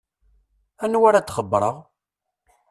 Anwa ara d-xebbṛeɣ?